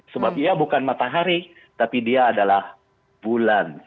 sebab dia bukan matahari tapi dia adalah bulan